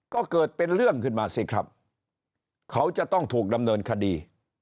ก็เกิดเป็นเรื่องขึ้นมาสิครับเขาจะต้องถูกดำเนินคดี